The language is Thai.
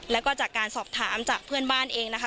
แล้วก็จากการสอบถามจากเพื่อนบ้านเองนะคะ